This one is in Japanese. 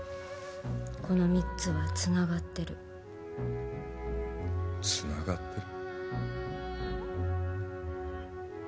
この三つはつながってるつながってる？